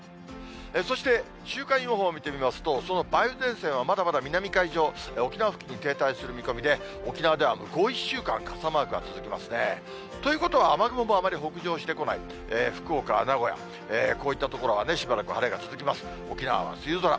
そして、週間予報を見てみますと、その梅雨前線はまだまだ南海上、沖縄付近に停滞する見込みで、沖縄では向こう１週間、傘マークが続きますね。ということは、雨雲もあまり北上してこない、福岡、名古屋、こういった所は、しばらく晴れが続きますが、沖縄は梅雨空。